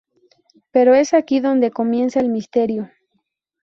Pero es aquí donde comienza el misterio.